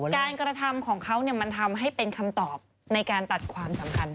การกระทำของเขามันทำให้เป็นคำตอบในการตัดความสำคัญ